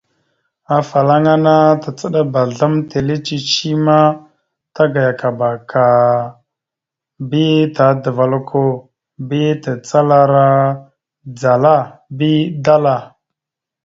Afalaŋana tacəɗabá azlam etellé cici ma tagayayakaba ka bi tadaval okko bi tacalara dzala bi dala.